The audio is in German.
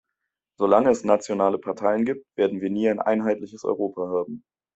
Solange es nationale Parteien gibt, werden wir nie ein einheitliches Europa haben.